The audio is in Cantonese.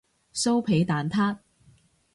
酥皮蛋撻